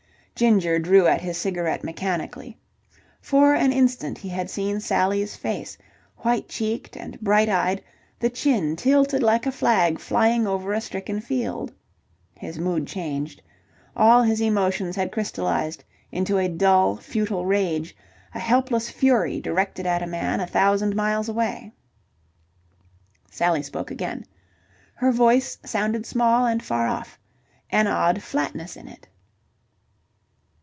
Ginger drew at his cigarette mechanically. For an instant he had seen Sally's face, white cheeked and bright eyed, the chin tilted like a flag flying over a stricken field. His mood changed. All his emotions had crystallized into a dull, futile rage, a helpless fury directed at a man a thousand miles away. Sally spoke again. Her voice sounded small and far off, an odd flatness in it.